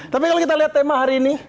tapi kalau kita lihat tema hari ini